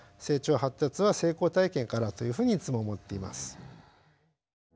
成長・発達は成功体験からというふうにいつも思っています。